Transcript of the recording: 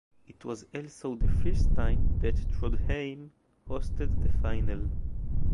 It was also the first time that Trondheim hosted the final.